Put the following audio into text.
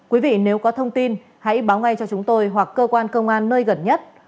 quý vị nếu có thông tin hãy báo ngay cho chúng tôi hoặc cơ quan công an nơi gần nhất